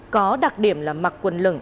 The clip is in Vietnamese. có đặc điểm là mặc quần lửng